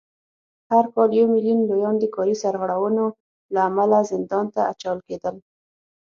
هر کال یو میلیون لویان د کاري سرغړونو له امله زندان ته اچول کېدل